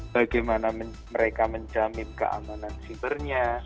bagaimana mereka menjamin keamanan sibernya